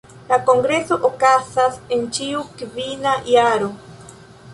La kongreso okazas en ĉiu kvina jaro.